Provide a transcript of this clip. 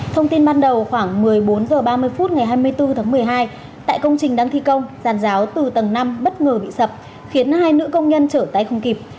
thông tin ban đầu khoảng một mươi bốn h ba mươi phút ngày hai mươi bốn tháng một mươi hai tại công trình đang thi công giàn giáo từ tầng năm bất ngờ bị sập khiến hai nữ công nhân trở tay không kịp